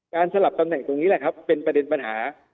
สลับตำแหน่งตรงนี้แหละครับเป็นประเด็นปัญหา